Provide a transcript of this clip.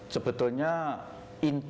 sebetulnya inti atau semangat